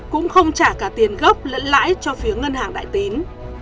cũng không trả cả tiền gốc lẫn lãi cho phía ngân hàng đại tín